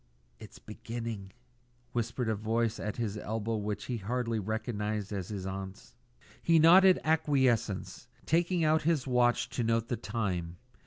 "It's beginning," whispered a voice at his elbow which he hardly recognised as his aunt's. He nodded acquiescence, taking out his watch to note the time.